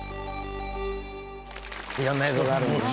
いろんな映像があるんですね。